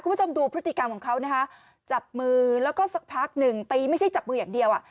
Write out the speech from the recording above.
คุณผู้ชมดูพฤติกรรมของเขานะคะจับมือแล้วก็สักพักหนึ่งตีไม่ใช่จับมืออย่างเดียวอ่ะ